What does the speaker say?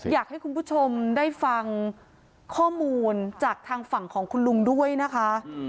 อยากให้คุณผู้ชมได้ฟังข้อมูลจากทางฝั่งของคุณลุงด้วยนะคะ